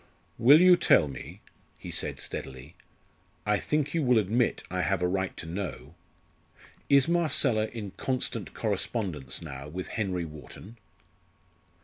"Will you tell me," he said steadily "I think you will admit I have a right to know is Marcella in constant correspondence now with Henry Wharton?"